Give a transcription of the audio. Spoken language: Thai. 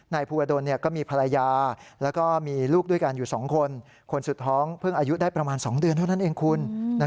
นายภูอดลก็มีภรรยาแล้วก็มีลูกด้วยกันอยู่สองคน